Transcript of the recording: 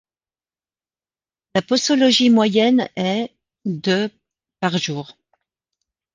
La posologie moyenne est de par jour.